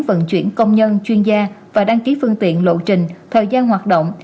vận chuyển công nhân chuyên gia và đăng ký phương tiện lộ trình thời gian hoạt động